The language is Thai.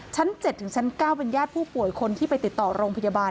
ชั้น๗๙เป็นหญ้าผู้ป่วยคนเป็นที่ไปติดต่อโรงพยาบาล